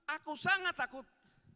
aku sangat takut